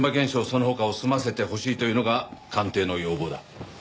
その他を済ませてほしいというのが官邸の要望だ。